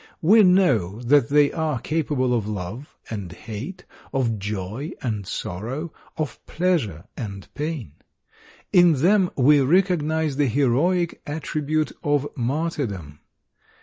We know that they are capable of love and hate, of joy and sorrow, of pleasure and pain. In them we recognize the heroic attribute of martyrdom.